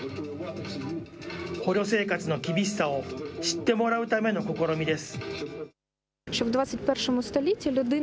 捕虜生活の厳しさを知ってもらうための試みです。